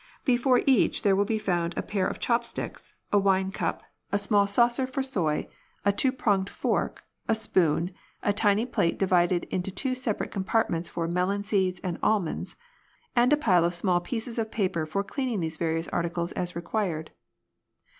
Before each there will be found a pair of chopsticks, a wine cup, a small 154 A DINNER PARTY. saucer for soy, a two pronged fork, a spoon, a tiny plate divided into two separate compartments for melon seeds and almonds, and a pile of small pieces of paper for cleaning these various articles as required.